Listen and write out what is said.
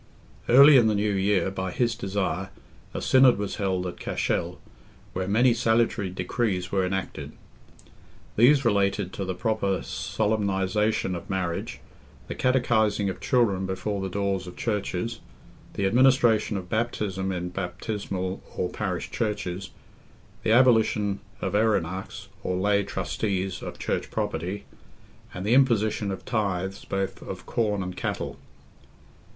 Early in the new year, by his desire, a synod was held at Cashel, where many salutary decrees were enacted. These related to the proper solemnization of marriage; the catechising of children before the doors of churches; the administration of baptism in baptismal or parish churches; the abolition of Erenachs or lay Trustees of church property, and the imposition of tithes, both of corn and cattle.